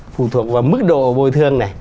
phụ thuộc vào mức độ bồi thương này